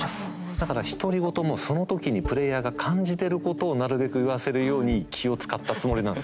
だから独り言もその時にプレイヤーが感じてることをなるべく言わせるように気を遣ったつもりなんです。